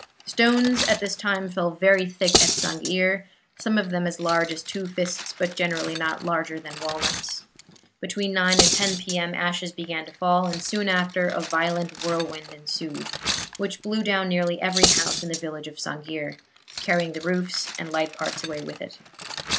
Stones at this time fell very thick at Sang'ir some of them as large as two fists, but generally not larger than walnuts. Between 9 and 10 P. M. ashes began to fall, and soon after a violent whirlwind ensued, which blew down nearly every house in the village of Sang'ir carrying the roofs and light parts away with it.